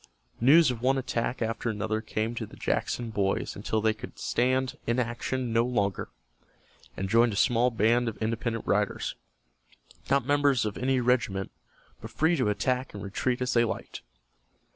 News of one attack after another came to the Jackson boys until they could stand inaction no longer, and joined a small band of independent riders, not members of any regiment, but free to attack and retreat as they liked.